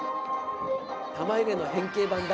玉入れの変形版だ！